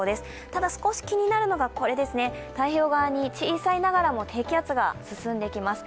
ただ、少し気になるのがこれですね太平洋側に小さいながらも低気圧が進んできます。